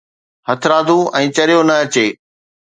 هٿرادو ۽ چريو نه اچي؟